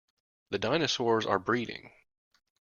The dinosaurs are breeding!